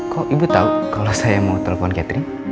kok ibu tau kalau saya mau telepon catherine